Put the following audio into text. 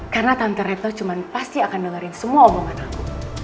karena tante reto cuma pasti akan dengerin semua omongan aku